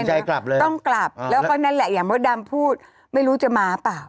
ใจกลับเลยต้องกลับแล้วก็นั่นแหละอย่างมดดำพูดไม่รู้จะมาเปล่า